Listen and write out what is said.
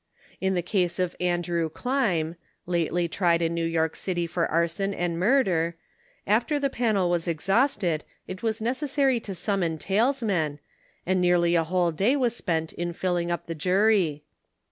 In the case of Andrew Kleim, lately tried in New York city for arson and murder, after the pannel was exhausted, it was neces sary to summon talesmen, and nearly a whole day was spent in filling up the jury.